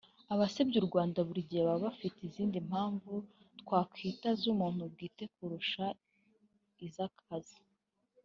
Abasebya u Rwanda buri gihe baba bafite izindi mpamvu twakwita z’umuntu bwite kurusha izakazi